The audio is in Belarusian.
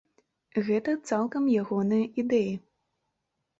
Гэта цалкам ягоныя ідэі.